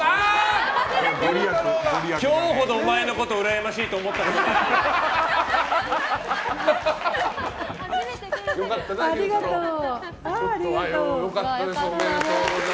今日ほどお前のこと羨ましいと思ったことない。